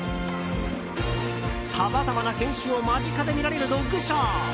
さまざまな犬種を間近で見られるドッグショー。